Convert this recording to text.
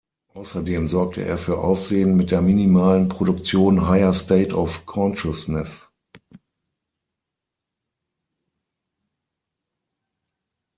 Außerdem sorgte er für Aufsehen mit der minimalen Produktion „Higher State Of Consciousness“.